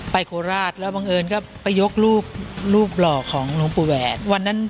ไปโคราชแล้วบังเอิญก็ไปยกรูปหล่อของหลวงปู่แหวน